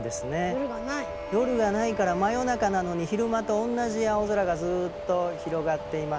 夜がないから真夜中なのに昼間とおんなじ青空がずっと広がっています。